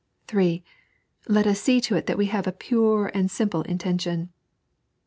(3) Let us see to it that we have a puire and simple intmivm.